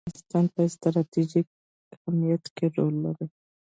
تنوع د افغانستان په ستراتیژیک اهمیت کې رول لري.